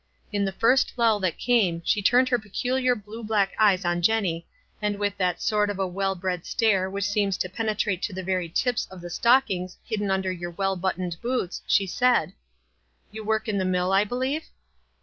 In the first lull that came she turned her peculiar blue black eyes on Jenny, and With that sort of well bred stare which seems to penetrate to the very 8 i4 WISE AND OTHERWISE. tips' c r ^ n . »/f the stockings hidden under your well whfcttoned boots, she said, — "You work in the mill, I believe?"